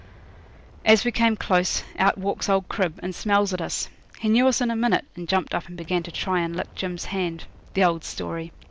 As we came close, out walks old Crib, and smells at us. He knew us in a minute, and jumped up and began to try and lick Jim's hand: the old story.